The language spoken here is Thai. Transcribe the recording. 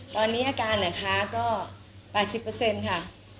ตอนนี้อาการนะคะก็๘๐ค่ะ